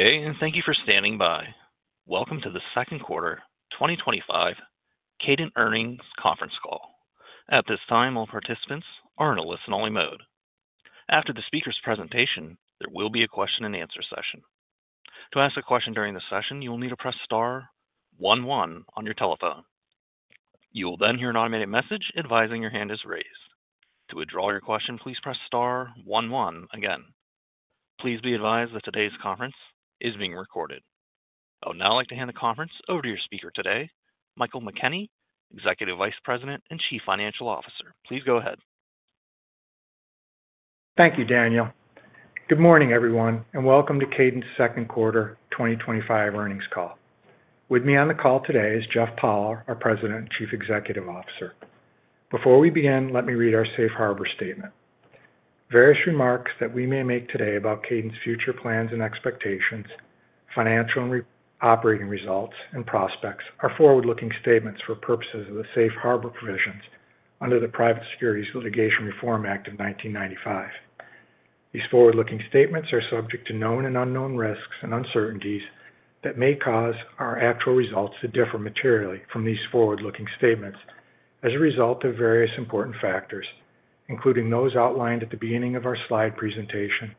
Day, and thank you for standing by. Welcome to the Second Quarter twenty twenty five Cadent Earnings Conference Call. At this time, all participants are in a listen only mode. After the speakers' presentation, there will be a question and answer session. Please be advised that today's conference is being recorded. I would now like to hand the conference over to your speaker today, Michael McKenney, Executive Vice President and Chief Financial Officer. Please go ahead. Thank you, Daniel. Good morning, everyone, and welcome to Cadence second quarter twenty twenty five earnings call. With me on the call today is Jeff Poller, our President and Chief Executive Officer. Before we begin, let me read our safe harbor statement. Various remarks that we may make today about Cadence future plans and expectations, financial and operating results and prospects are forward looking statements for purposes of the Safe Harbor provisions under the Private Securities Litigation Reform Act of 1995. These forward looking statements are subject to known and unknown risks and uncertainties that may cause our actual results to differ materially from these forward looking statements as a result of various important factors, including those outlined at the beginning of our slide presentation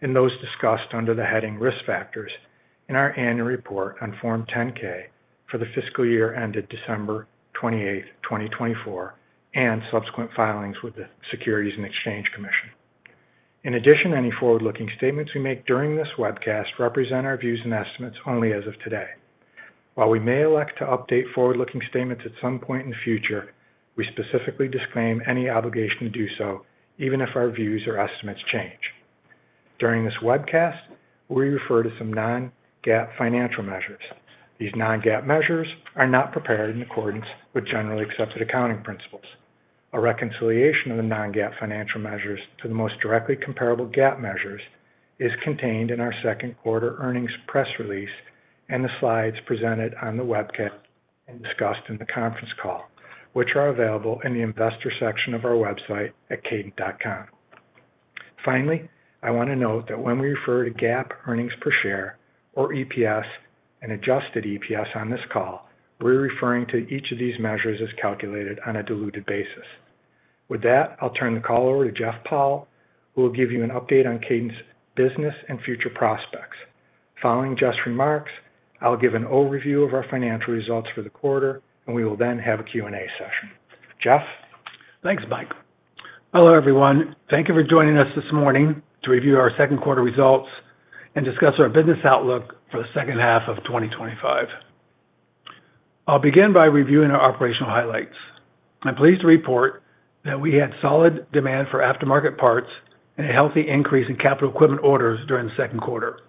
and those discussed under the heading Risk Factors in our annual report on Form 10 ks for the fiscal year ended 12/28/2024, and subsequent filings with the Securities and Exchange Commission. In addition, any forward looking statements we make during this webcast represent our views and estimates only as of today. While we may elect to update forward looking statements at some point in the future, we specifically disclaim any obligation to do so even if our views or estimates change. During this webcast, we refer to some non GAAP financial measures. These non GAAP measures are not prepared in accordance with generally accepted accounting principles. A reconciliation of the non GAAP financial measures to the most directly comparable GAAP measures is contained in our second quarter earnings press release and the slides presented on the webcast and discussed in the conference call, which are available in the Investors section of our website at cadent.com. Finally, I want to note that when we refer to GAAP earnings per share or EPS and adjusted EPS on this call, we're referring to each of these measures as calculated on a diluted basis. With that, I'll turn the call over to Jeff Powell, who will give you an update on Cadence business and future prospects. Following Jeff's remarks, I'll give an overview of our financial results for the quarter, and we will then have a Q and A session. Jeff? Thanks, Mike. Hello, everyone. Thank you for joining us this morning to review our second quarter results and discuss our business outlook for the 2025. I'll begin by reviewing our operational highlights. I'm pleased to report that we had solid demand for aftermarket parts and a healthy increase in capital equipment orders during the second quarter.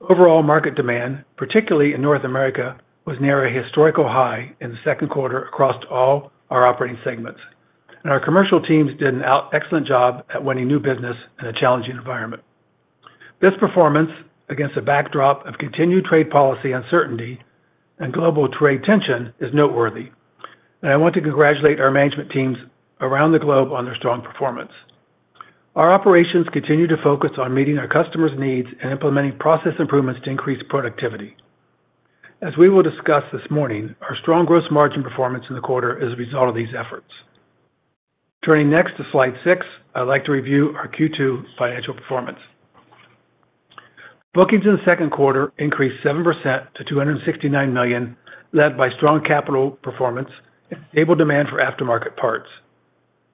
Overall market demand, particularly in North America, was near a historical high in the second quarter across all our operating segments. And our commercial teams did an excellent job at winning new business in a challenging environment. This performance against the backdrop of continued trade policy uncertainty and global trade tension is noteworthy. And I want to congratulate our management teams around the globe on their strong performance. Our operations continue to focus on meeting our customers' needs and implementing process improvements to increase productivity. As we will discuss this morning, our strong gross margin performance in the quarter is a result of these efforts. Turning next to Slide six, I'd like to review our Q2 financial performance. Bookings in the second quarter increased 7% to $269,000,000 led by strong capital performance and stable demand for aftermarket parts.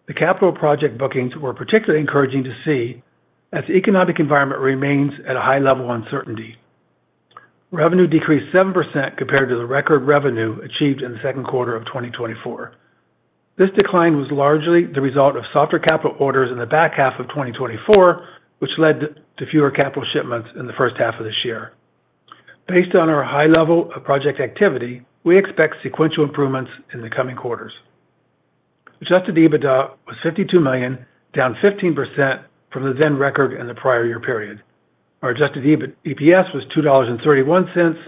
The capital project bookings were particularly encouraging to see as the economic environment remains at a high level of uncertainty. Revenue decreased 7% compared to the record revenue achieved in the 2024. This decline was largely the result of softer capital orders in the 2024, which led to fewer capital shipments in the first half of this year. Based on our high level of project activity, we expect sequential improvements in the coming quarters. Adjusted EBITDA was $52,000,000 down 15% from the then record in the prior year period. Our adjusted EPS was $2.31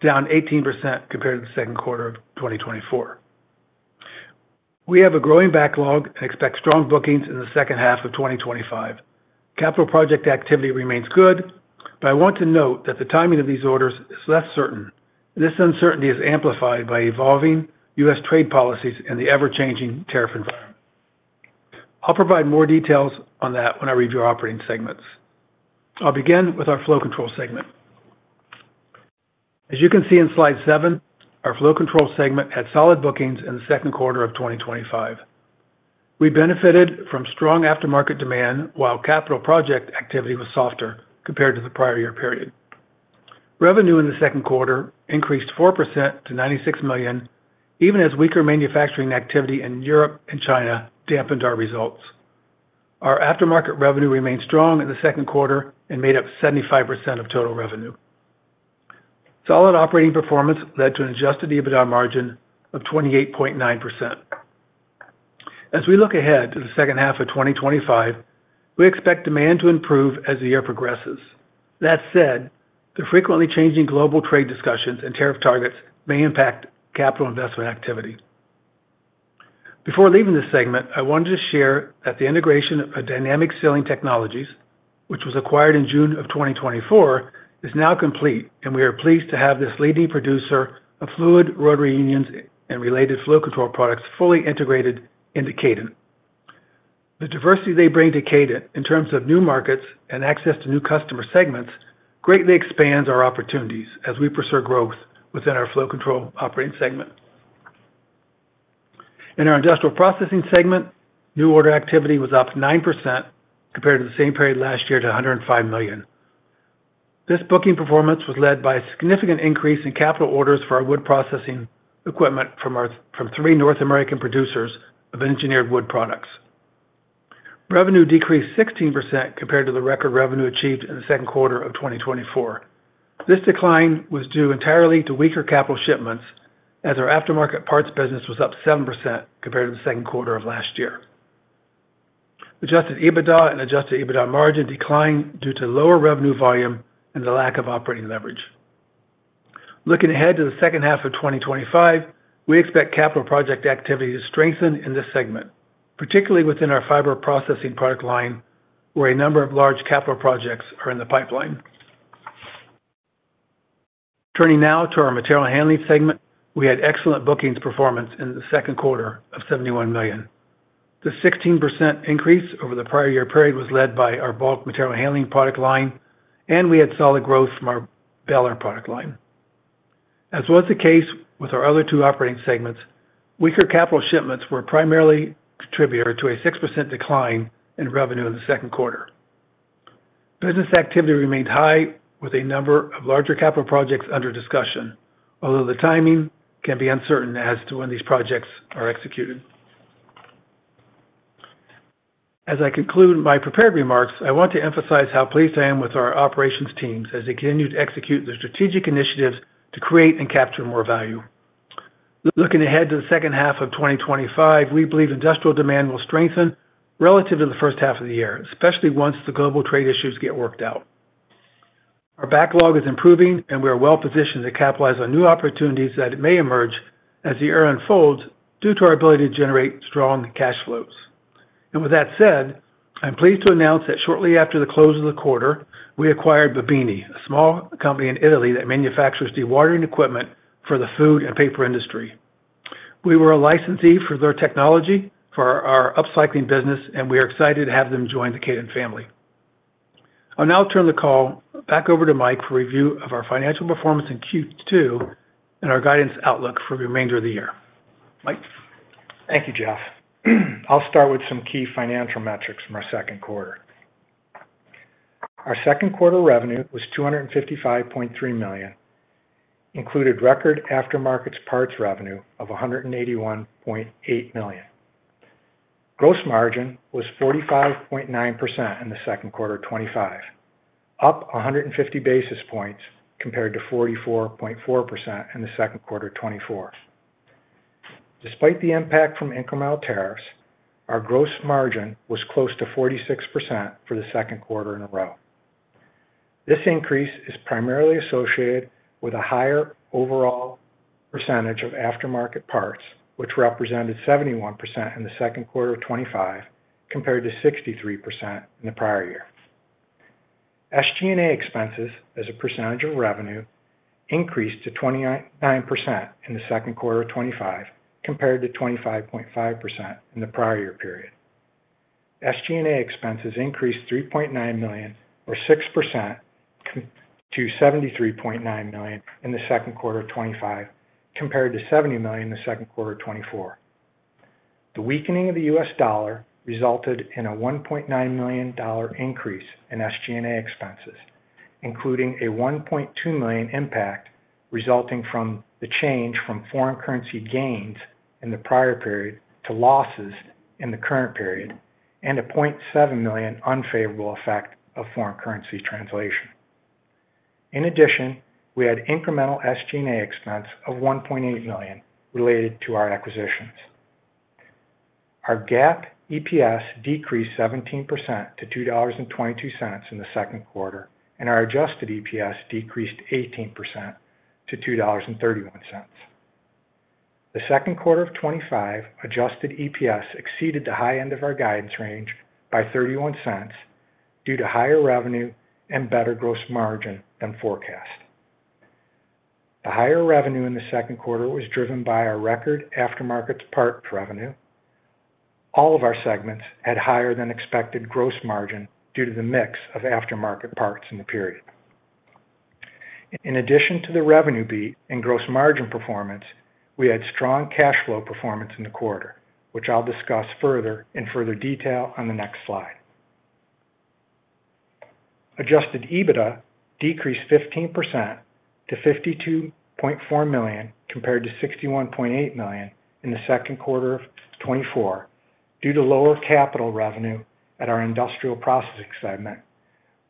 down 18% compared to the 2024. We have a growing backlog and expect strong bookings in the 2025. Capital project activity remains good, but I want to note that the timing of these orders is less certain. This uncertainty is amplified by evolving U. S. Trade policies and the ever changing tariff environment. I'll provide more details on that when I review our operating segments. I'll begin with our Flow Control segment. As you can see in Slide seven, our Flow Control segment had solid bookings in the 2025. We benefited from strong aftermarket demand, while capital project activity was softer compared to the prior year period. Revenue in the second quarter increased 4% to $96,000,000 even as weaker manufacturing activity in Europe and China dampened our results. Our aftermarket revenue remained strong in the second quarter and made up 75% of total revenue. Solid operating performance led to an adjusted EBITDA margin of 28.9%. As we look ahead to the 2025, we expect demand to improve as the year progresses. That said, the frequently changing global trade discussions and tariff targets may impact capital investment activity. Before leaving this segment, I wanted to share that the integration of Dynamic Ceiling Technologies, which was acquired in June 2024, is now complete, and we are pleased to have this leading producer of fluid rotary unions and related flow control products fully integrated into Cadent. The diversity they bring to Cadent in terms of new markets and access to new customer segments greatly expands our opportunities as we pursue growth within our flow control operating segment. In our Industrial Processing segment, new order activity was up 9% compared to the same period last year to $105,000,000 This booking performance was led by a significant increase in capital orders for our wood processing equipment from three North American producers of engineered wood products. Revenue decreased 16% compared to the record revenue achieved in the 2024. This decline was due entirely to weaker capital shipments as our aftermarket parts business was up 7% compared to the second quarter of last year. Adjusted EBITDA and adjusted EBITDA margin declined due to lower revenue volume and the lack of operating leverage. Looking ahead to the 2025, we expect capital project activity to strengthen in this segment, particularly within our fiber processing product line, where a number of large capital projects are in the pipeline. Turning now to our Material Handling segment. We had excellent bookings performance in the second quarter of $71,000,000 The 16% increase over the prior year period was led by our bulk Material Handling product line, and we had solid growth from our Ballard product line. As was the case with our other two operating segments, weaker capital shipments were primarily contributor to a 6% decline in revenue in the second quarter. Business activity remained high with a number of larger capital projects under discussion, although the timing can be uncertain as to when these projects are executed. As I conclude my prepared remarks, I want to emphasize how pleased I am with our operations teams as they continue to execute the strategic initiatives to create and capture more value. Looking ahead to the 2025, we believe industrial demand will strengthen relative to the first half of the year, especially once the global trade issues get worked out. Our backlog is improving and we are well positioned to capitalize on new opportunities that may emerge as the year unfolds due to our ability to generate strong cash flows. And with that said, I'm pleased to announce that shortly after the close of the quarter, we acquired Babini, a small company in Italy that manufactures dewatering equipment for the food and paper industry. We were a licensee for their technology for our upcycling business, and we are excited to have them join the Cadence family. I'll now turn the call back over to Mike for a review of our financial performance in Q2 and our guidance outlook for the remainder of the year. Mike? Thank you, Jeff. I'll start with some key financial metrics from our second quarter. Our second quarter revenue was $255,300,000 included record aftermarkets parts revenue of $181,800,000 Gross margin was 45.9% in the 2025, up 150 basis points compared to 44.4% in the second quarter twenty twenty four. Despite the impact from incremental tariffs, our gross margin was close to 46% for the second quarter in a row. This increase is primarily associated with a higher overall percentage of aftermarket parts, which represented 71% in the 2025 compared to 63% in the prior year. SG and A expenses as a percentage of revenue increased to 29% in the 2025 compared to 25.5% in the prior year period. SG and A expenses increased $3,900,000 or 6% to $73,900,000 in the 2025 compared to $70,000,000 in the 2024. The weakening of the U. S. Dollar resulted in a $1,900,000 increase in SG and A expenses, including a $1,200,000 impact resulting from the change from foreign currency gains in the prior period to losses in the current period and a $700,000 unfavorable effect of foreign currency translation. In addition, we had incremental SG and A expense of $1,800,000 related to our acquisitions. Our GAAP EPS decreased 17% to $2.22 in the second quarter, and our adjusted EPS decreased 18% to $2.31 The 2025 adjusted EPS exceeded the high end of our guidance range by $0.31 due to higher revenue and better gross margin than forecast. The higher revenue in the second quarter was driven by our record aftermarket parts revenue. All of our segments had higher than expected gross margin due to the mix of aftermarket parts in the period. In addition to the revenue beat and gross margin performance, we had strong cash flow performance in the quarter, which I'll discuss further in further detail on the next slide. Adjusted EBITDA decreased 15% to $52,400,000 compared to $61,800,000 in the 2024 due to lower capital revenue at our Industrial Processing segment,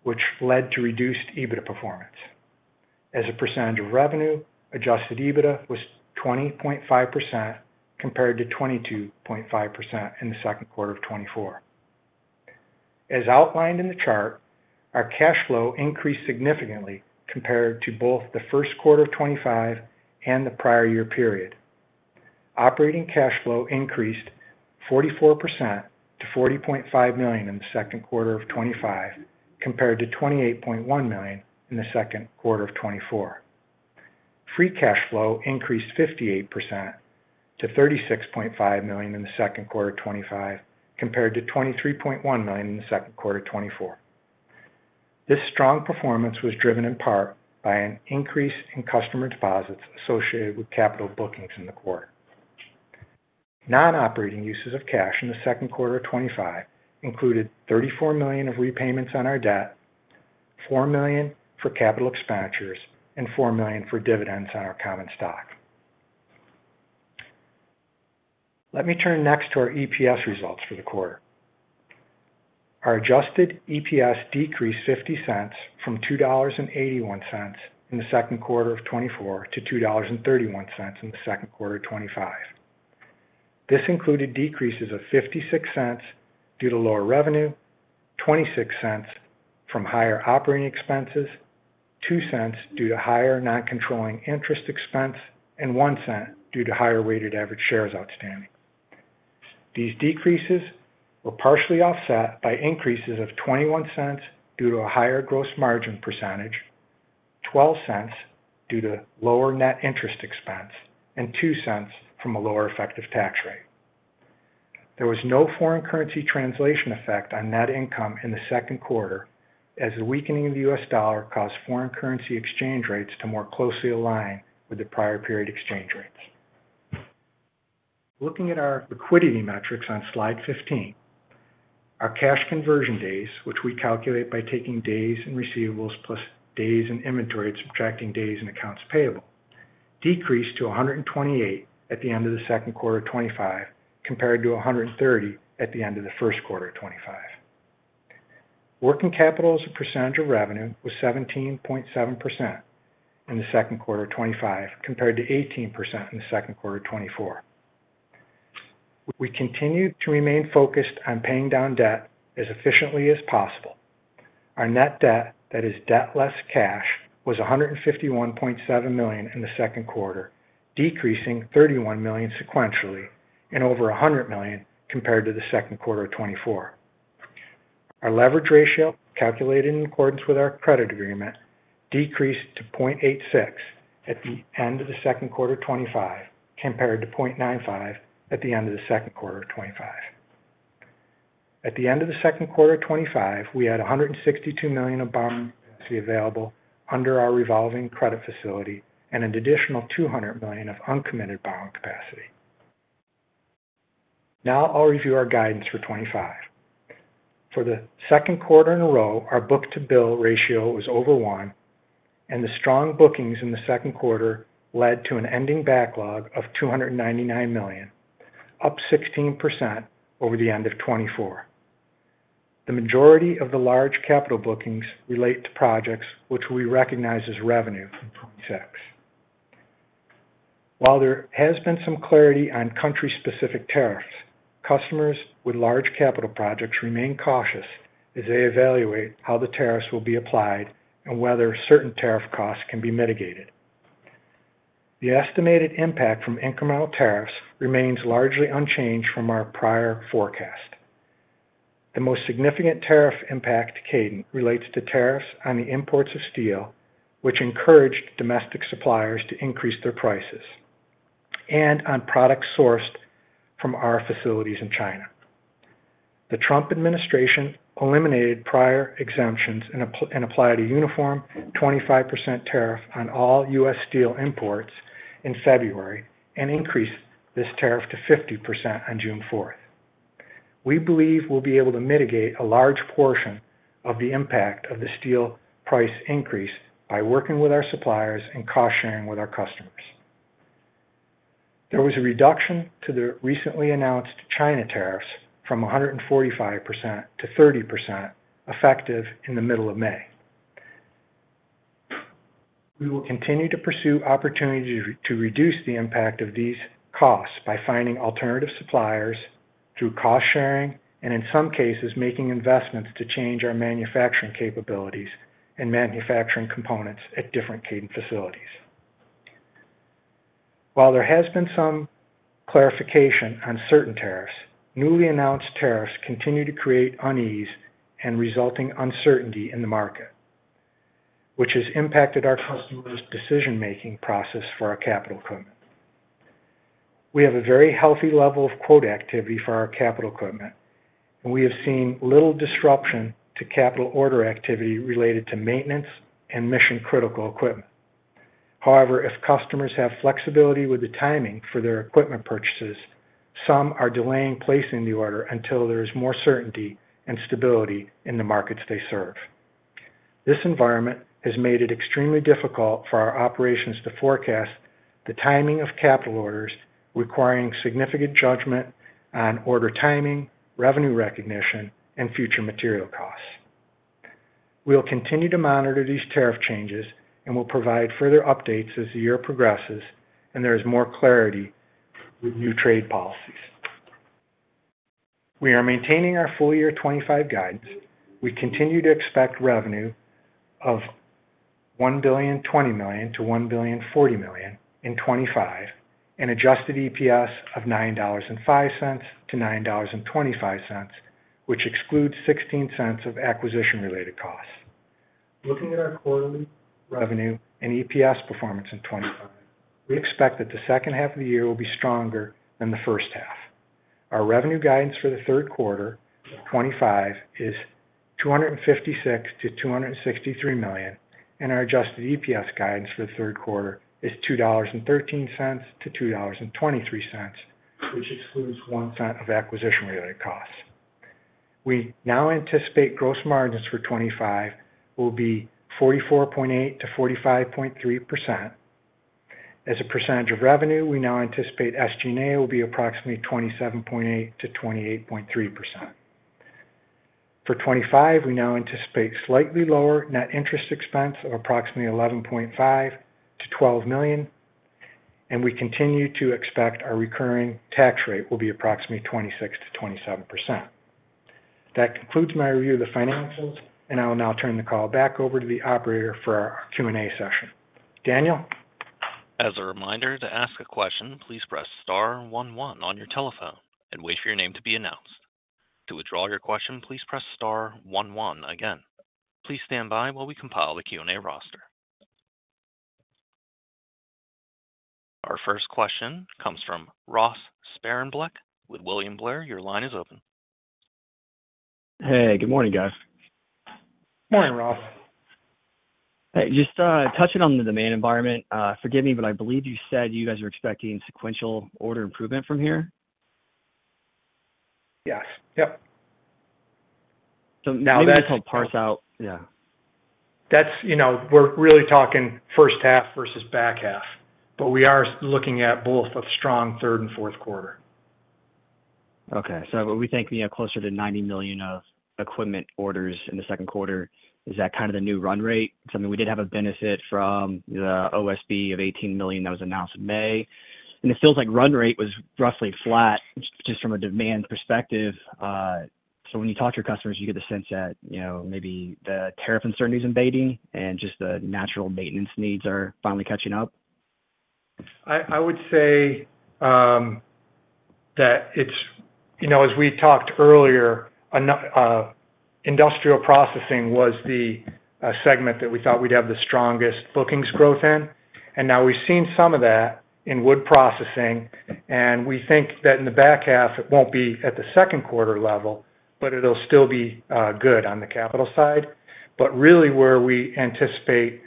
which led to reduced EBITDA performance. As a percentage of revenue, adjusted EBITDA was 20.5% compared to 22.5% in the 2024. As outlined in the chart, our cash flow increased significantly compared to both the '5 and the prior year period. Operating cash flow increased 44% to $40,500,000 in the '5 compared to $28,100,000 in the '4. Free cash flow increased 58% to $36,500,000 in the second quarter 'twenty five compared to $23,100,000 in the second quarter 'twenty four. This strong performance was driven in part by an increase in customer deposits associated with capital bookings in the quarter. Non operating uses of cash in the 2025 included $34,000,000 of repayments on our debt, dollars 4,000,000 for capital expenditures and $4,000,000 for dividends on our common stock. Let me turn next to our EPS results for the quarter. Our adjusted EPS decreased $0.50 from $2.81 in the '4 to $2.31 in the '5. This included decreases of $0.56 due to lower revenue, dollars 0.26 from higher operating expenses, 0.2 due to higher noncontrolling interest expense and $01 due to higher weighted average shares outstanding. These decreases were partially offset by increases of $0.21 due to a higher gross margin percentage, 0.12 due to lower net interest expense and $02 from a lower effective tax rate. There was no foreign currency translation effect on net income in the second quarter as the weakening of the U. S. Dollar caused foreign currency exchange rates to more closely align with the prior period exchange rates. Looking at our liquidity metrics on Slide 15. Our cash conversion days, which we calculate by taking days in receivables plus days in inventory and subtracting days in accounts payable, decreased to 128 at the end of the second quarter 'twenty five compared to 130 at the end of the first quarter 'twenty five. Working capital as a percentage of revenue was 17.7% in the second quarter 'twenty five compared to 18% in the second quarter 'twenty four. We continue to remain focused on paying down debt as efficiently as possible. Our net debt, that is debt less cash, was $151,700,000 in the second quarter, decreasing $31,000,000 sequentially and over $100,000,000 compared to the '4. Our leverage ratio calculated in accordance with our credit agreement decreased to 0.86 at the end of the second quarter 'twenty five compared to 0.95 at the end of the '5. At the end of the second quarter 'twenty five, we had $162,000,000 of borrowing capacity available under our revolving credit facility and an additional $200,000,000 of uncommitted borrowing capacity. Now I'll review our guidance for '25. For the second quarter in a row, our book to bill ratio was over one, and the strong bookings in the second quarter led to an ending backlog of $299,000,000 up 16% over the 2024. The majority of the large capital bookings relate to projects, which we recognize as revenue from '26. While there has been some clarity on country specific tariffs, customers with large capital projects remain cautious as they evaluate how the tariffs will be applied and whether certain tariff costs can be mitigated. The estimated impact from incremental tariffs remains largely unchanged from our prior forecast. The most significant tariff impact to Cadence relates to tariffs on the imports of steel, which encouraged domestic suppliers to increase their prices and on products sourced from our facilities in China. The Trump administration eliminated prior exemptions and applied a uniform 25% tariff on all U. S. Steel imports in February and increased this tariff to 50% on June 4. We believe we'll be able to mitigate a large portion of the impact of the steel price increase by working with our suppliers and cost sharing with our customers. There was a reduction to the recently announced China tariffs from 145% to 30% effective in the May. We will continue to pursue opportunities to reduce the impact of these costs by finding alternative suppliers through cost sharing and, in some cases, making investments to change our manufacturing capabilities and manufacturing components at different Cadence facilities. While there has been some clarification on certain tariffs, newly announced tariffs continue to create unease and resulting uncertainty in the market, which has impacted our customers' decision making process for our capital equipment. We have a very healthy level of quote activity for our capital equipment, and we have seen little disruption to capital order activity related to maintenance and mission critical equipment. However, if customers have flexibility with the timing purchases, some are delaying placing the order until there is more certainty and stability in the markets they serve. This environment has made it extremely difficult for our operations to forecast the timing of capital orders requiring significant judgment on order timing, revenue recognition and future material costs. We will continue to monitor these tariff changes and we'll provide further updates as the year progresses and there is more clarity with new trade policies. We are maintaining our full year 'twenty five guidance. We continue to expect revenue of $1,020,000,000 to $1,040,000,000 in 'twenty five and adjusted EPS of $9.05 to $9.25 which excludes $0.16 of acquisition related costs. Looking at our quarterly revenue and EPS performance in 2020, we expect that the second half of the year will be stronger than the first half. Our revenue guidance for the 2025 is $256,000,000 to $263,000,000 and our adjusted EPS guidance for the third quarter is $2.13 to $2.23 which excludes $01 of acquisition related costs. We now anticipate gross margins for '25 will be 44.8% to 45.3%. As a percentage of revenue, we now anticipate SG and A will be approximately 27.8% to 28.3%. For '25, we now anticipate slightly lower net interest expense of approximately 11,500,000.0 to $12,000,000 and we continue to expect our recurring tax rate will be approximately 26% to 27%. That concludes my review of the financials, and I will now turn the call back over to the operator for our Q and A session. Daniel? Our first question comes from Ross Sparenblatt with William Blair. Your line is open. Hey. Good morning, guys. Good morning, Ross. Hey. Just touching on the demand environment. Forgive me, but I believe you said you guys are expecting sequential order improvement from here? Yes. Yep. Maybe yeah. You can help parse out That's we're really talking first half versus back half, but we are looking at both a strong third and fourth quarter. Okay. So we think closer to $90,000,000 of equipment orders in the second quarter. Is that kind of the new run rate? I mean we did have a benefit from the OSB of 18,000,000 that was announced in May. And it feels like run rate was roughly flat just from a demand perspective. So when you talk to your customers, you get the sense that, you know, maybe the tariff uncertainty is invading and just the natural maintenance needs are finally catching up. I I would say that it's as we talked earlier, industrial processing was the segment that we thought we'd have the strongest bookings growth in. And now we've seen some of that in Wood Processing. And we think that in the back half, it won't be at the second quarter level, but it will still be good on the capital side. But really, where we anticipate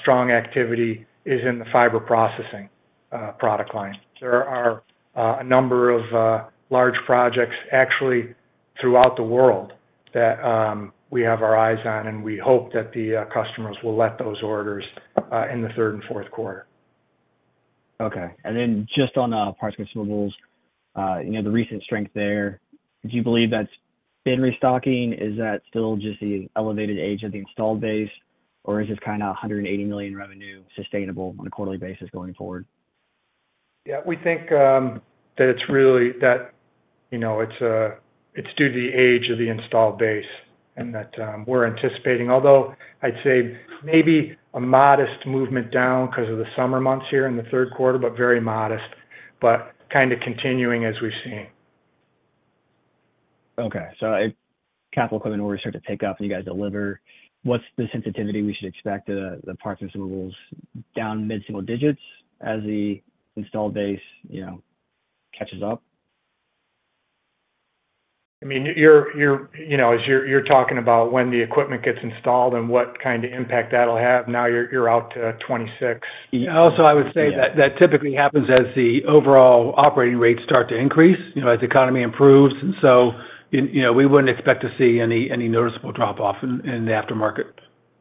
strong activity is in the fiber processing product line. There are a number of large projects actually throughout the world that we have our eyes on, and we hope that the customers will let those orders in the third and fourth quarter. Okay. And then just on parts and consumables, the recent strength there, do you believe that's been restocking? Is that still just the elevated age of the installed base? Or is this kind of $180,000,000 revenue sustainable on a quarterly basis going forward? Yeah. We think that it's really that it's due to the age of the installed base and that we're anticipating. Although I'd say maybe a modest movement down because of the summer months here in the third quarter, but very modest, but kind of continuing as we've seen. Okay. So capital equipment orders start to pick up and you guys deliver, what's the sensitivity we should expect, the parts and consumables down mid single digits as the installed base catches up? I mean, you're you're you know, as you're you're talking about when the equipment gets installed and what kind of impact that'll have, now you're you're out to 26. Yeah. Also, I would say that typically happens as the overall operating rates start to increase, as the economy improves. And so we wouldn't expect to see any noticeable drop off in the aftermarket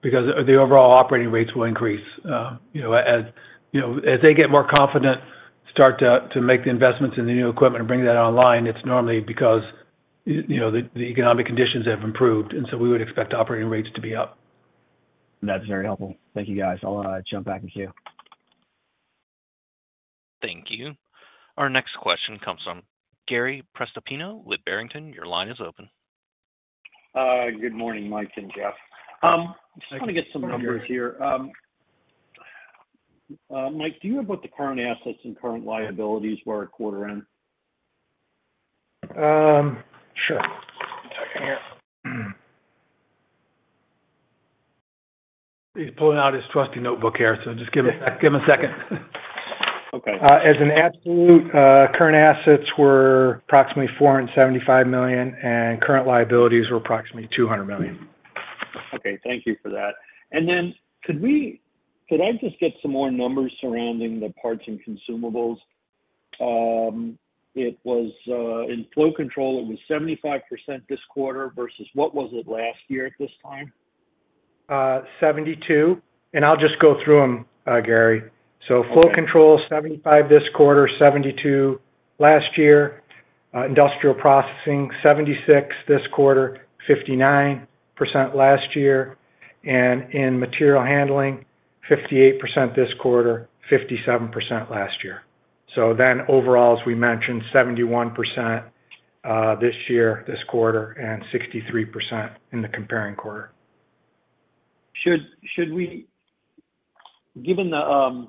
because the overall operating rates will increase. As they get more confident, start to make the investments in the new equipment and bring that online, it's normally because the economic conditions have improved. And so we would expect operating rates to be up. That's very helpful. Thank you, guys. I'll jump back in queue. Thank you. Our next question comes from Gary Prestopino with Barrington. Your line is open. Good morning, Mike and Jeff. I want to get some numbers here. Mike, do you know what the current assets and current liabilities were at quarter end? Sure. One second here. He's pulling out his trusty notebook here, so just give him Okay. A As an absolute, current assets were approximately $475,000,000 and current liabilities were approximately $200,000,000 Okay. Thank you for that. And then could we could I just get some more numbers surrounding the parts and consumables? It was in flow control, it was 75% this quarter versus what was it last year at this time? 72. And I'll just go through them, Gary. So flow control, 75 this quarter, 72 last year. Industrial processing, 76 this quarter, 59% last year. And in Material Handling, 58% this quarter, 57% last year. So then overall, as we mentioned, 71% this year, this quarter, and 63% in the comparing quarter. Should should we given the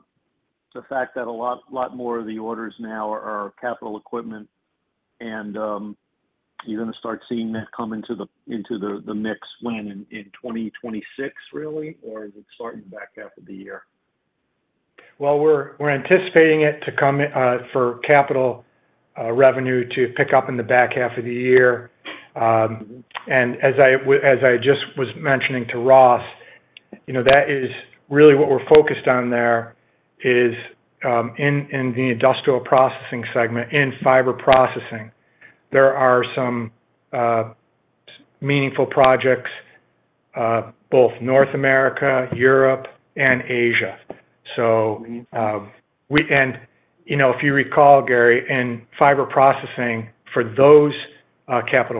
fact that a lot lot more of the orders now are capital equipment, and you're gonna start seeing that come into the into the the mix when in in 2026, really? Or is it starting back half of the year? Well, we're anticipating it to come for capital revenue to pick up in the back half of the year. And as I just was mentioning to Ross, you know, that is really what we're focused on there is in the industrial processing segment, in fiber processing, there are some meaningful projects, both North America, Europe, and Asia. We and, you know, if you recall, Gary, in fiber processing for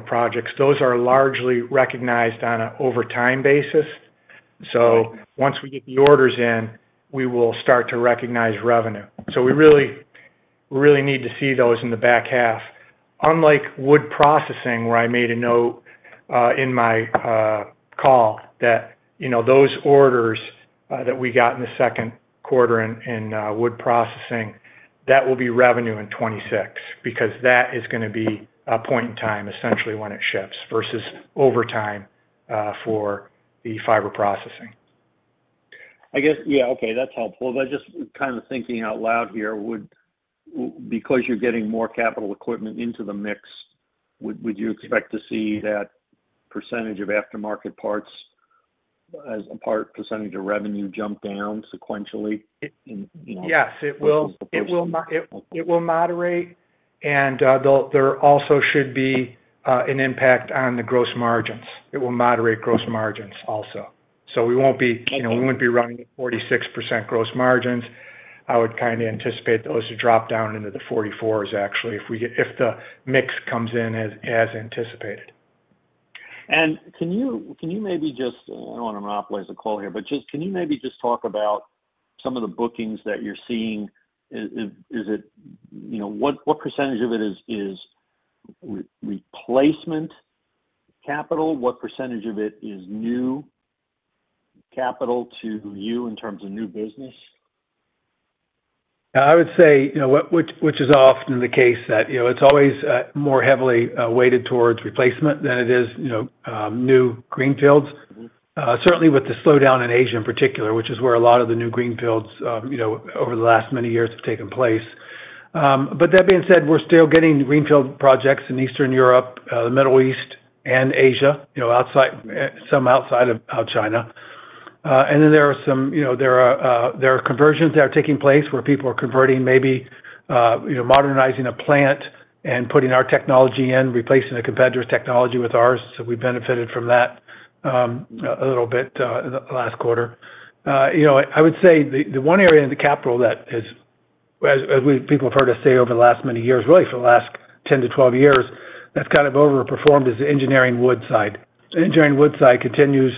projects, those are largely recognized on an over time basis. So once we get the orders in, we will start to recognize revenue. So we really really need to see those in the back half. Unlike wood processing, where I made a note, in my call that, you know, those orders, that we got in the second quarter in in, wood processing, that will be revenue in '26 because that is gonna be a point in time essentially when it ships versus overtime for the fiber processing. I guess yeah. Okay. That's helpful. But just kind of thinking out loud here, would because you're getting more capital equipment into the mix, would would you expect to see that percentage of aftermarket parts as a part percentage of revenue jump down sequentially in in Yes. It will it will it will moderate, and, there'll there also should be, an impact on the gross margins. It will moderate gross margins also. So we won't be, you know, we won't be running at 46% gross margins. I would kinda anticipate those to drop down into the 40 actually if we get if the mix comes in as as anticipated. And can you can you maybe just I don't wanna monopolize the call here, but just can you maybe just talk about some of the bookings that you're seeing? Is it you know, what what percentage of it is is replacement capital? What percentage of it is new capital to you in terms of new business? I would say, you know, what which which is often the case that, you know, it's always more heavily weighted towards replacement than it is, you know, new greenfields. Mhmm. Certainly, with the slowdown in Asia in particular, which is where a lot of the new greenfields, you know, over the last many years have taken place. But that being said, we're still getting greenfield projects in Eastern Europe, The Middle East and Asia, outside some outside of China. And then there are some there are conversions that are taking place where people are converting maybe modernizing a plant and putting our technology in, replacing a competitor's technology with ours. So we benefited from that a little bit last quarter. I would say the one area in the capital that is as people have heard us say over the last many years, really for the last ten to twelve years, that's kind of overperformed is the Engineering Woodside. Engineering Woodside continues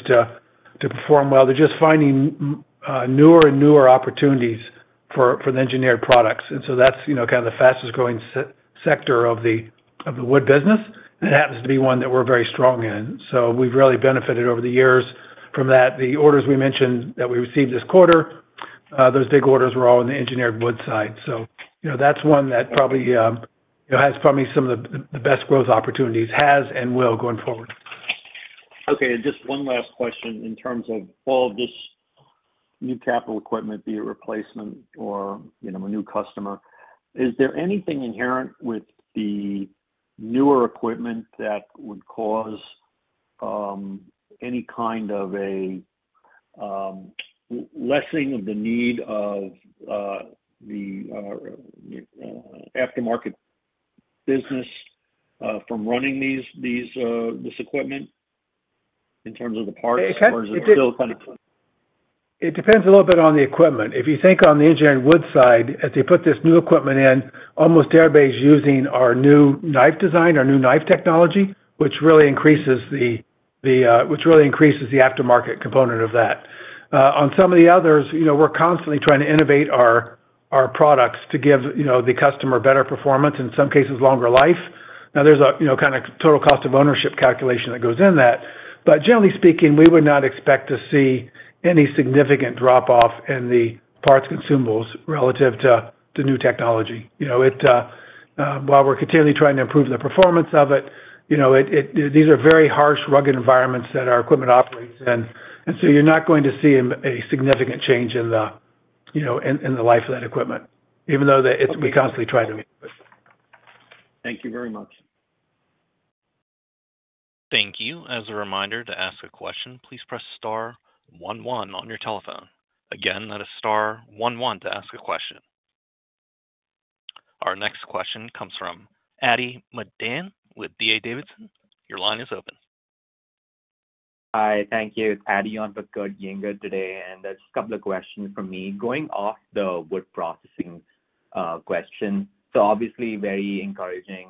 to perform well. They're just finding newer and newer opportunities for the engineered products. And so that's kind of the fastest growing sector of the wood business. It happens to be one that we're very strong in. So we've really benefited over the years from that. The orders we mentioned that we received this quarter, those big orders were all in the engineered wood side. That's one that probably has probably some of the best growth opportunities, has and will going forward. Okay. And just one last question in terms of all of this new capital equipment, be it replacement or a new customer. Is there anything inherent with the newer equipment that would cause any kind of a lessening of the need of the aftermarket business from running these these this equipment in terms of the parts? Or is it still kind of It depends a little bit on the equipment. If you think on the engineering wood side, as they put this new equipment in, almost everybody is using our new knife design, our new knife technology, which really increases which really increases the aftermarket component of that. On some of the others, we're constantly trying to innovate our products to give the customer better performance, in some cases, longer life. Now there's a kind of total cost of ownership calculation that goes in that. But generally speaking, we would not expect to see any significant drop off in the parts consumables relative to new technology. While we're continually trying to improve the performance of these are very harsh rugged environments that our equipment operates in. And so you're not going to see a significant change in the life of that equipment, even though we constantly try to make it. Thank you very much. Thank you. Our next question comes from Adi Madan with D. A. Davidson. Your line is open. Hi. Thank you. It's Adi on for Kurt Yinger today, and there's a couple of questions from me. Going off the wood processing question, so obviously very encouraging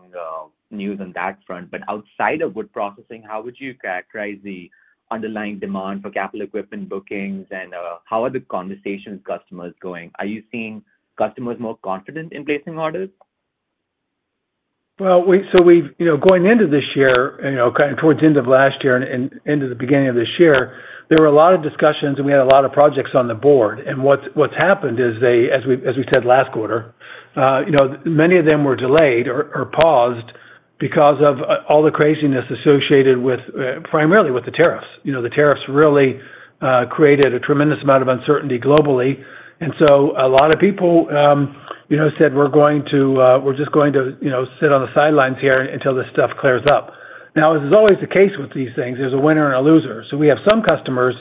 news on that front. But outside of wood processing, how would you characterize the underlying demand for capital equipment bookings? And how are the conversations with customers going? Are you seeing customers more confident in placing orders? Well, we've going into this year, kind of towards the end of last year and into the beginning of this year, there were a lot of discussions and we had a lot of projects on the board. And what's happened is they as we said last quarter, many of them were delayed or paused because of all the craziness associated with primarily with the tariffs. The tariffs really created a tremendous amount of uncertainty globally. And so a lot of people said we're going to we're just going to sit on the sidelines here until this stuff clears up. Now as is always the case with these things, there's a winner and a loser. So we have some customers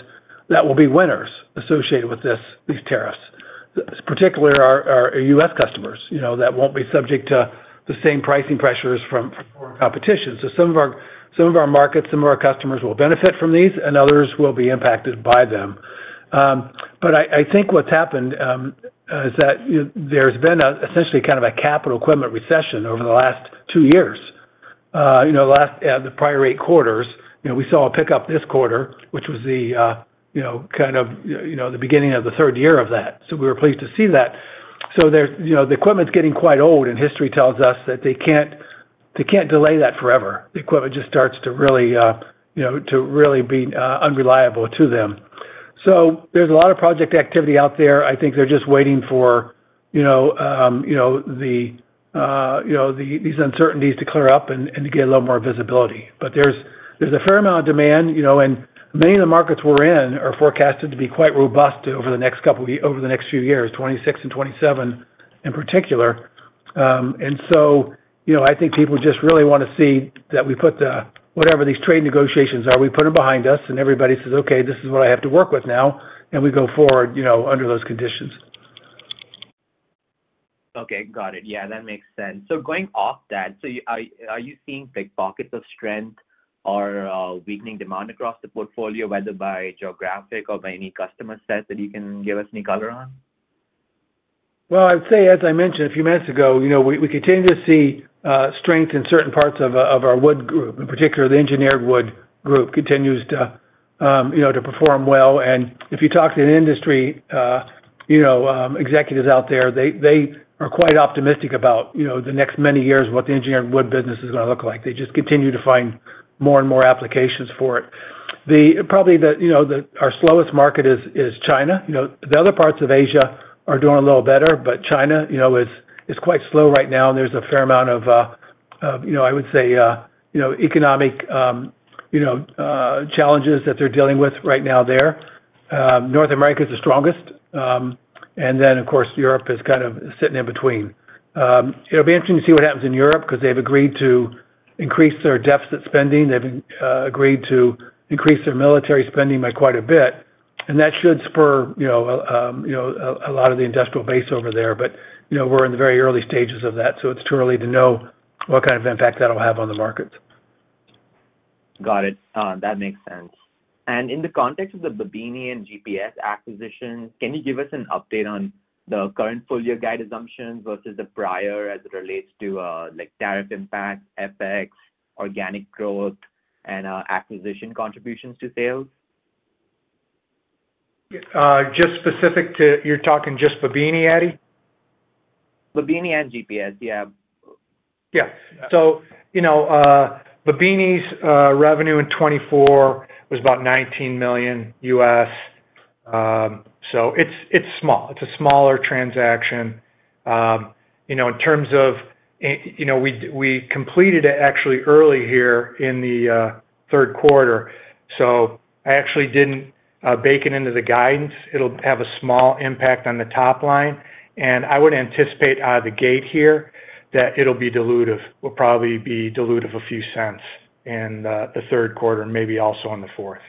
that will be winners associated with these tariffs, particularly our U. S. Customers that won't be subject to the same pricing pressures from foreign competition. So some our markets, some of our customers will benefit from these and others will be impacted by them. But I think what's happened is that there's been essentially kind of a capital equipment recession over the last two years. The prior eight quarters, we saw a pickup this quarter, which was the kind of the beginning of the third year of that. So we were pleased to see that. So the equipment is getting quite old and history tells us that they can't delay that forever. The equipment just starts to really be unreliable to them. So there's a lot of project activity out there. I think they're just waiting for these uncertainties to clear up and to get a little more visibility. But a fair amount of demand. And many of the markets we're in are forecasted to be quite robust over the next couple of over the next few years, 2026 and 2027 in particular. And so I think people just really want to see that we put whatever these trade negotiations are. We put them behind us, and everybody says, okay. This is what I have to work with now, and we go forward under those conditions. Okay. Got it. Yeah. That makes sense. So going off that, so are you seeing, like, pockets of strength or weakening demand across the portfolio whether by geographic or by any customer set that you can give us any color on? Well, I'd say as I mentioned a few minutes ago, we continue to see strength in certain parts of our wood group, in particular the engineered wood group continues to perform well. And if you talk to an industry executives out there, they are quite optimistic about the next many years, what the engineered wood business is going to look like. They just continue to find more and more applications for it. Probably our slowest market is China. The other parts of Asia are doing a little better, but China is quite slow right now. And there's a fair amount of, I would say, economic challenges that they're dealing with right now there. North America is the strongest. And then, of course, Europe is kind of sitting in between. It'll be interesting to see what happens in Europe because they've agreed to increase their deficit spending. They've agreed to increase their military spending by quite a bit. And that should spur a lot of the industrial base over there. But we're in the very early stages of that. So it's too early to know what kind of impact that will have on the market. Got it. That makes sense. And in the context of the Babini and GPS acquisition, can you give us an update on the current full year guide assumptions versus the prior as it relates to like tariff impact, FX, organic growth, and acquisition contributions to sales? Just specific to you're talking just Babini, Adi? Babini and GPS. Yeah. Yeah. So, you know, Babini's revenue in '24 was about 19,000,000 US. So it's it's small. It's a smaller transaction. In terms of we completed it actually early here in the third quarter. So I actually didn't bake it into the guidance. It'll have a small impact on the top line. And I would anticipate out of the gate here that it will be dilutive. We'll probably be dilutive a few cents in the third quarter and maybe also in the fourth.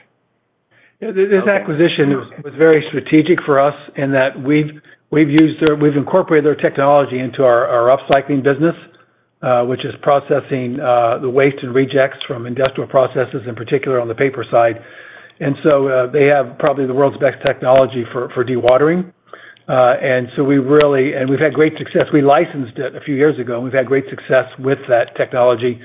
Yes. This acquisition was very strategic for us in that we've used we've incorporated their technology into our upcycling business, which is processing the waste and rejects from industrial processes, in particular, on the paper side. And so they have probably the world's best technology for dewatering. And so we really and we've had great success. We licensed it a few years ago. We've had great success with that technology.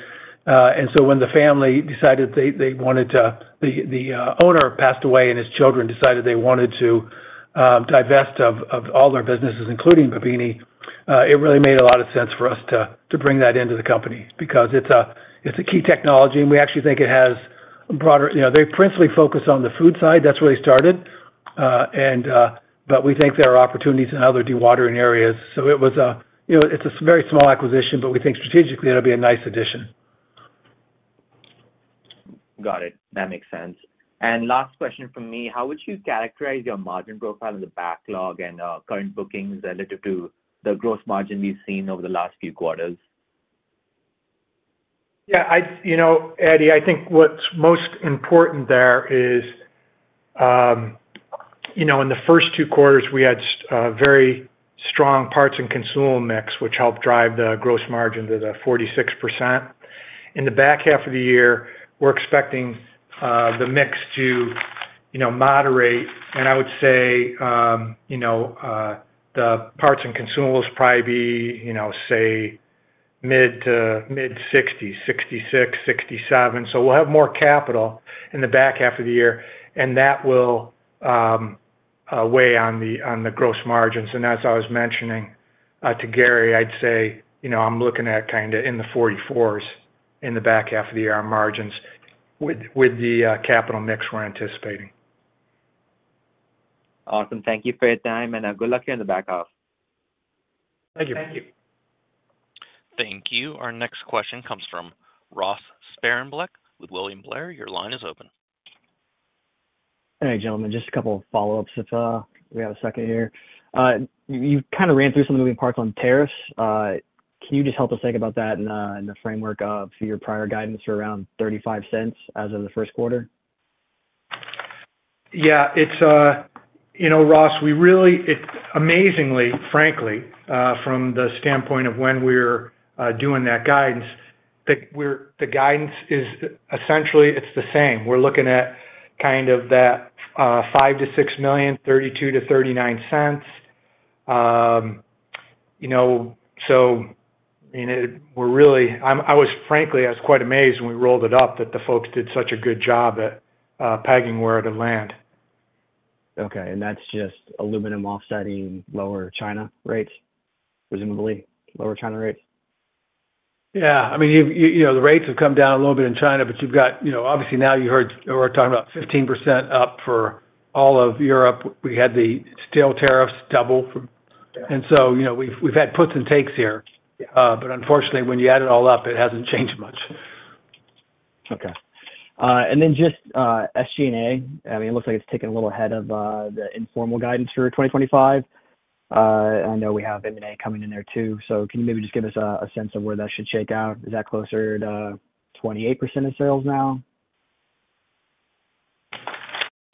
And so when the family decided they wanted to the owner passed away and his children decided they wanted to divest of all their businesses, including Bimini, it really made a lot of sense for us to bring that into the company because it's a key technology. And we actually think it has broader they principally focus on the food side. That's where they started. And but we think there are opportunities in other dewatering areas. So it was a it's a very small acquisition, but we think strategically, it will be a nice addition. Got it. That makes sense. And last question from me. How would you characterize your margin profile backlog and current bookings relative to the gross margin we've seen over the last few quarters? Yes. Eddie, I think what's most important there is in the first two quarters, we had very strong parts and consumable mix, which helped drive the gross margin to the 46%. In the back half of the year, we're expecting the mix to moderate. And I would say the parts and consumables probably be, say, mid-60s, 66, 67. So we'll have more capital in the back half of the year, and that will weigh on the gross margins. And as I was mentioning to Gary, I'd say, I'm looking at kind of in the 44% s in the back half of the year, our margins with the capital mix we're anticipating. Awesome. Thank you for your time, and good luck here in the back half. Thank you. Thank you. You. Our next question comes from Ross Sparenblick with William Blair. Your line is open. Hey gentlemen, just a couple of follow ups if we have a second here. You kind of ran through some moving parts on tariffs. Can you just help us think about that in the framework for your prior guidance for around $0.35 as of the first quarter? Yes. It's Ross, we really amazingly, frankly, from the standpoint of when we're doing that guidance, the guidance is essentially, it's the same. We're looking at kind of that 5 to 6,000,032 to 39¢. You know? So, you know, we're really I'm I was frankly, I was quite amazed when we rolled it up that the folks did such a good job at pegging where it had land. Okay. And that's just aluminum offsetting lower China rates, presumably lower China rates? Yeah. I mean, you you you know, the rates have come down a little bit in China, but you've got, know, obviously, now you heard we're talking about 15% up for all of Europe. We had the steel tariffs double from And so we've had puts and takes here. But unfortunately, when you add it all up, it hasn't changed much. Okay. And then just SG and A. I mean, looks like it's taken a little ahead of the informal guidance for 2025. I know we have M and A coming in there too. So can you maybe just give us a sense of where that should shake out? Is that closer to 28% of sales now?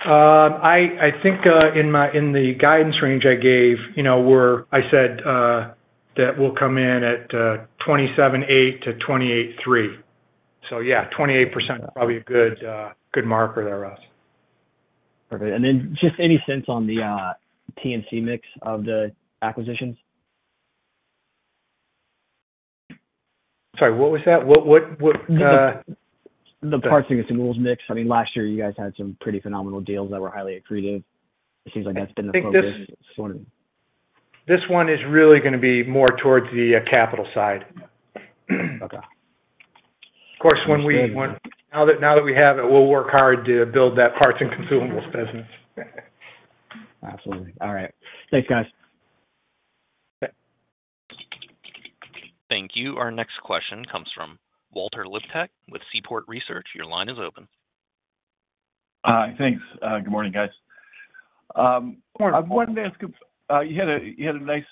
I think in the guidance range I gave, you know, we're I said that we'll come in at 27.8% to 28.3%. So yeah, 28% is probably a good marker there, Russ. Perfect. And then just any sense on the TNC mix of the acquisitions? Sorry. What was that? What what what The the and the renewals mix. I mean, last year, you guys had some pretty phenomenal deals that were highly accretive. It seems like that's been the focus. This one is really gonna be more towards the capital side. Okay. Of course, when we when now that now that we have it, we'll work hard to build that parts and consumables business. Absolutely. Alright. Thanks, guys. Thank you. Our next question comes from Walter Liptak with Seaport Research. Your line is open. Thanks. Good morning, guys. Good morning. I wanted to ask you had nice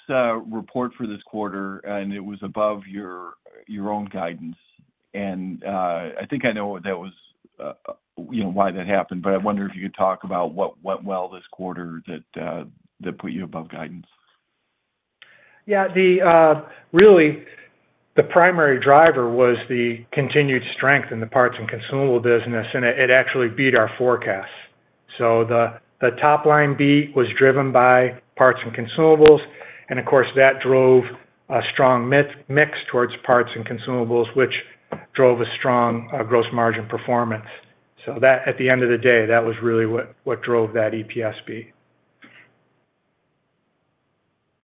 report for this quarter, and it was above your own guidance. And I think I know that was why that happened, but I wonder if you could talk about what went well this quarter that put you above guidance. Yes. The really, the primary driver was the continued strength in the parts and consumable business, and it actually beat our forecast. So the top line beat was driven by parts and consumables. And of course, that drove a strong mix towards parts and consumables, which drove a strong gross margin performance. So that at the end of the day, that was really what drove that EPS beat.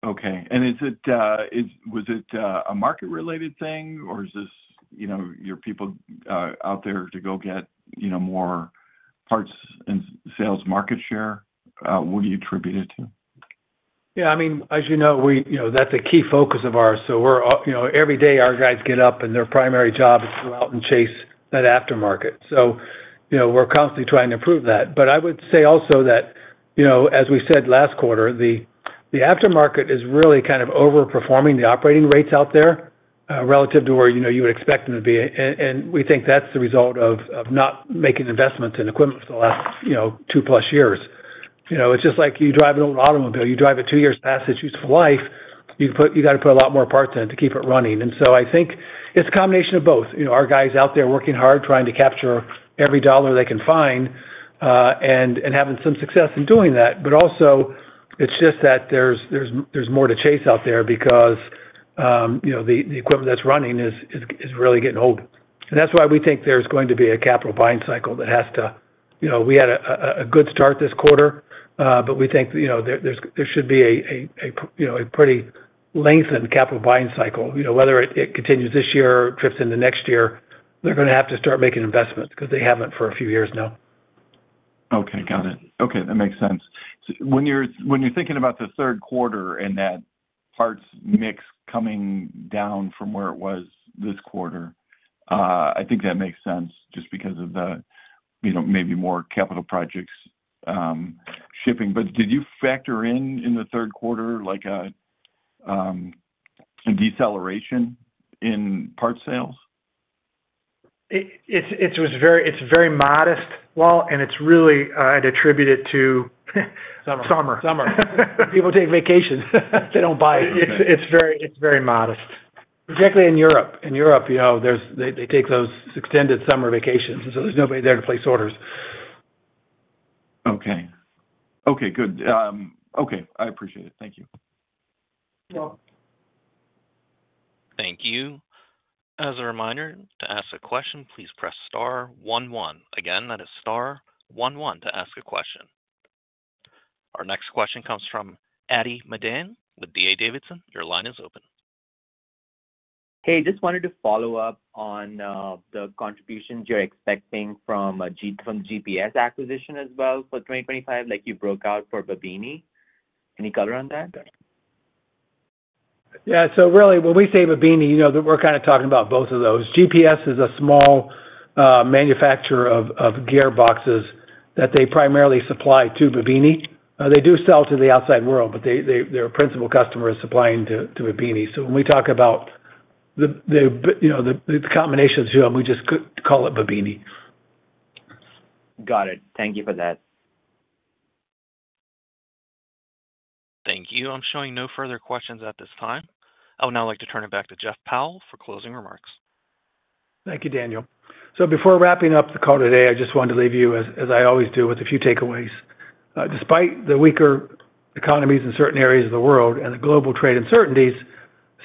Okay. And was it a market related thing? Or is this your people out there to go get more parts and sales market share? What do you attribute it to? Yeah, I mean, as you know, that's a key focus of ours. So every day our guys get up and their primary job is to go out and chase that aftermarket. So we're constantly trying to improve that. But I would say also that, as we said last quarter, the aftermarket is really kind of over performing the operating rates out there relative to where you would expect them to be. And we think that's the result of not making investments in equipment for the last two plus years. It's just like you drive an old automobile, you drive it two years past its useful life, you've to put a lot more parts in it to keep it running. And so I think it's a combination of both. Our guys out there working hard trying to capture every dollar they can find and having some success in doing that. But also, it's just that there's more to chase out there because the equipment that's running is really getting old. And that's why we think there's going to be a capital buying cycle that has we had a good start this quarter, but we think there should be a pretty lengthened capital buying cycle. Whether it continues this year or trips into next year, they're going to have to start making investments because they haven't for a few years now. Okay. Got it. Okay. That makes sense. So when you're when you're thinking about the third quarter and that parts mix coming down from where it was this quarter, I think that makes sense just because of the, you know, maybe more capital projects shipping. But did you factor in in the third quarter, like, a deceleration in parts sales? It it it was very it's very modest, Walt, and it's really I'd attribute it to Summer. Summer. People take vacations. They don't buy. It's very modest. Particularly in Europe. In Europe, you know, they take those extended summer vacations, and so there's nobody there to place orders. Okay. Okay. Good. Okay. I appreciate it. Thank you. Thank you. Our next question comes from Adi Madan with D. A. Davidson. Your line is open. Hey, just wanted to follow-up contributions you're expecting from a g from GPS acquisition as well for 2025, like you broke out for Babini. Any color on that? Yeah. So really, when we say Babini, know, that we're kinda talking about both of those. GPS is a small manufacturer of of gearboxes that they primarily supply to Babini. They do sell to the outside world, but they they their principal customer is supplying to to Babini. So when we talk about the the, you know, the the combination of two of them, we just call it Babini. Got it. Thank you for that. Thank you. I'm showing no further questions at this time. I would now like to turn it back to Jeff Powell for closing remarks. Thank you, Daniel. So before wrapping up the call today, I just wanted to leave you, as I always do, with a few takeaways. Despite the weaker economies in certain areas of the world and the global trade uncertainties,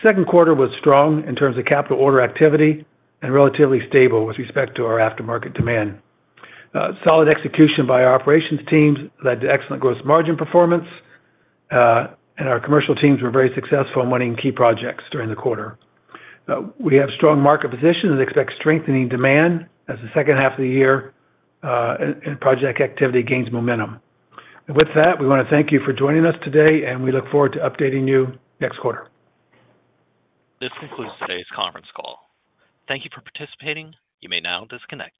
second quarter was strong in terms of capital order activity and relatively stable with respect to our aftermarket demand. Solid execution by our operations teams led to excellent gross margin performance, and our commercial teams were very successful in winning key projects during the quarter. We have strong market position and expect strengthening demand as the second half of the year and project activity gains momentum. And with that, we want to thank you for joining us today, and we look forward to updating you next quarter. This concludes today's conference call. Thank you for participating. You may now disconnect.